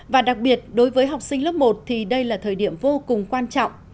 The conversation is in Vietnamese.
và đặc biệt đối với học sinh lớp một thì đây là thời điểm vô cùng quan trọng